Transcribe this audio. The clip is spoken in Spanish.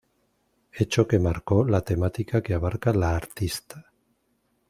Hecho que marcó la temática que abarca la artista.